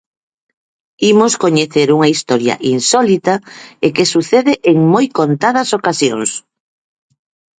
Imos coñecer unha historia insólita e que sucede en moi contadas ocasións.